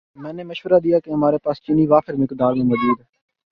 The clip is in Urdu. میں نے مشورہ دیا کہ ہماری پاس چینی وافر مقدار میں موجود ہے